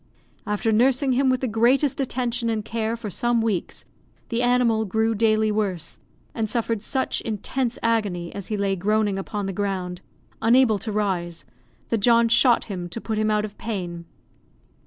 After nursing him with the greatest attention and care for some weeks, the animal grew daily worse, and suffered such intense agony, as he lay groaning upon the ground, unable to rise, that John shot him to put him out of pain.